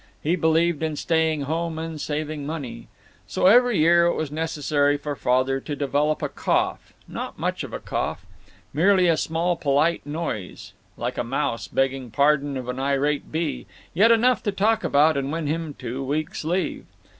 He believed in staying home and saving money. So every year it was necessary for Father to develop a cough, not much of a cough, merely a small, polite noise, like a mouse begging pardon of an irate bee, yet enough to talk about and win him a two weeks' leave.